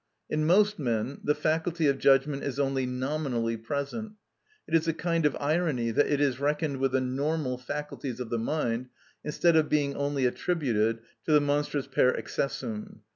In most men the faculty of judgment is only nominally present; it is a kind of irony that it is reckoned with the normal faculties of the mind, instead of being only attributed to the monstris per excessum.